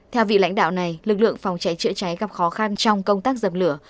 theo vị lãnh đạo này lực lượng phòng cháy chữa cháy gặp khó khăn trong công tác dập lửa